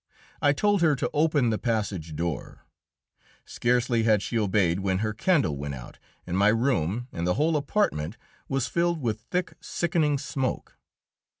I told her to open the passage door. Scarcely had she obeyed when her candle went out, and my room and the whole apartment was filled with thick, sickening smoke.